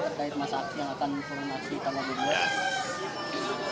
terkait masyarakat yang akan menghormati kalau begitu